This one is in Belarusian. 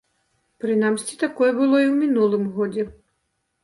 Прынамсі, так было ў мінулым годзе.